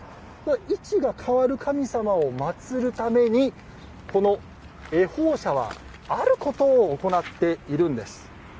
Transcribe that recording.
位置が変わる神様を祭るためにこの恵方社はあることを行っているんです。